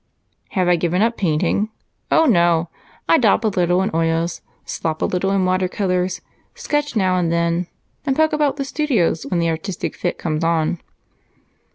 "Have I given up painting? Oh, no! I daub a little in oils, slop a little in watercolors, sketch now and then, and poke about the studios when the artistic fit comes on."